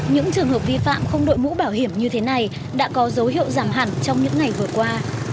những trường hợp vi phạm không đội mũ bảo hiểm như thế này đã có dấu hiệu giảm hẳn trong những ngày vừa qua